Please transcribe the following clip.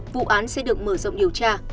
vụ án sẽ được mở rộng điều tra